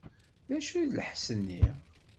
D acu-t lḥess-nni?